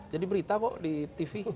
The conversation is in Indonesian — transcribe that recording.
jadi berita kok di tv